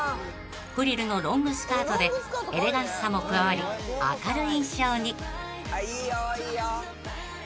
［フリルのロングスカートでエレガンスさも加わり明るい印象に］